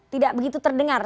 tidak begitu terdengar